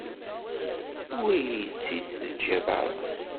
Ur iyi-tt-id-teǧǧiḍ ara.